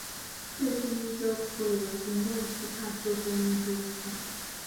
Ki ekiyinza okukolebwa singa omusika asooka omuntu okufa?